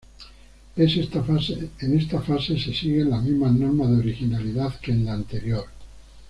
Es esta fase se siguen las mismas normas de originalidad que en la anterior.